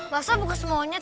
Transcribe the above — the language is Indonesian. masa bekas maunya